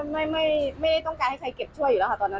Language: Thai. ไม่ได้ต้องการให้ใครเก็บช่วยอยู่แล้วค่ะตอนนั้น